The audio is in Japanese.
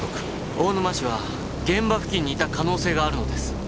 大沼氏は現場付近にいた可能性があるのです。